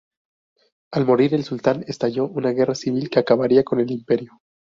Al morir el sultán, estalló una guerra civil que acabaría con el imperio.